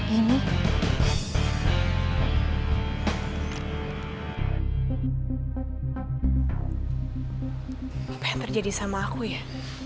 kenapa aku bisa ngelakuin itu